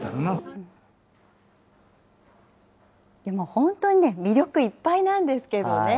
本当にね、魅力いっぱいなんですけどね。